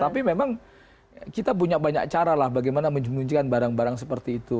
tapi memang kita punya banyak cara lah bagaimana menunjukkan barang barang seperti itu